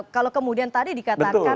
kalau kemudian tadi dikatakan